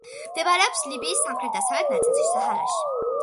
მდებარეობს ლიბიის სამხრეთ-დასავლეთ ნაწილში, საჰარაში.